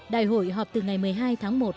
đại hội họp từ ngày một mươi hai tháng một